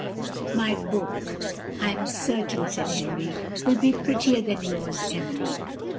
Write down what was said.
"My book, I am certain," said Henry, "will be prettier than yours, Emily."